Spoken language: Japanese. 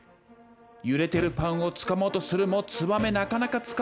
揺れてるパンをつかもうとするもツバメなかなかつかめず。